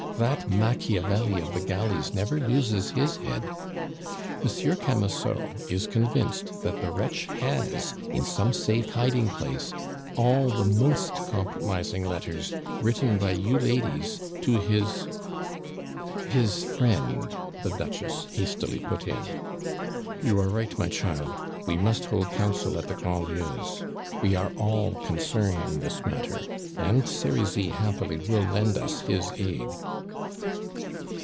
That Machiavelli of the galleys never loses his head! Monsieur Camusot is convinced that the wretch has in some safe hiding place all the most compromising letters written by you ladies to his " "His friend," the Duchess hastily put in. "You are right, my child. We must hold council at the Grandlieus'. We are all concerned in this matter, and Serizy happily will lend us his aid."